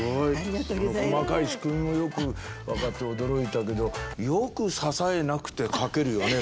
その細かい仕組みもよく分かって驚いたけどよく支えなくて描けるよね